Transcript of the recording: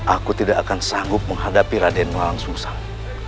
aku tidak akan sanggup menghadapi raden walang susang